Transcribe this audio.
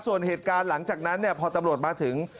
ส่วนเหตุการณ์หลังจากนั้นพอตำรวจมาถึง